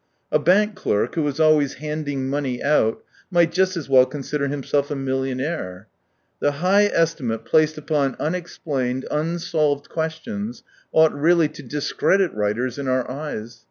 A bank clerk, who is always handing money out, might just as well consider himself a millionaire. The high estimate placed upon unexplained, unsolved questions ought really to discredit writers in our eyes.